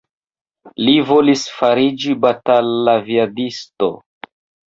Li volis fariĝi batal-aviadisto.